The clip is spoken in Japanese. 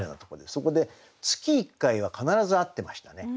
そこで月１回は必ず会ってましたね。